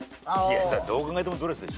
どう考えてもドレスでしょ？